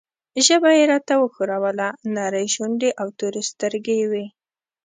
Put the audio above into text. ژبه یې راته وښوروله، نرۍ شونډې او تورې سترګې یې وې.